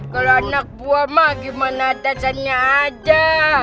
kalau anak buah mah gimana dadannya ada